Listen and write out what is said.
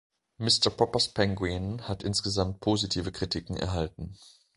„Mr. Poppers Pinguine“ hat insgesamt positive Kritiken erhalten.